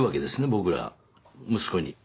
僕ら息子に。